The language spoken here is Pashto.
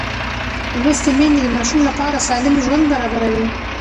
لوستې میندې د ماشوم لپاره سالم ژوند برابروي.